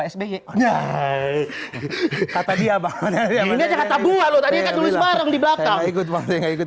sby kata dia banget ya ini aja kata gua lo tadi kan nulis bareng di belakang saya gak ikut